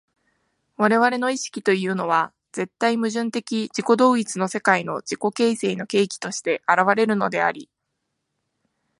我々の意識というのは絶対矛盾的自己同一の世界の自己形成の契機として現れるのであり、